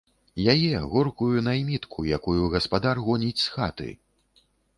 Яе, горкую наймітку, якую гаспадар гоніць з хаты!